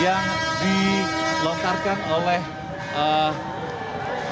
yang dilontarkan oleh tugas keamanan